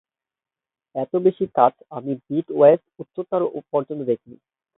এত বেশি কাচ আমি ব্লিটজের উচ্চতা পর্যন্ত দেখিনি।